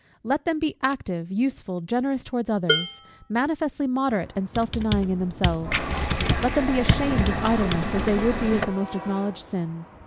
Let them be active, useful, generous towards others; manifestly moderate and self denying in themselves. Let them be ashamed of idleness, as they would be of the most acknowledged sin.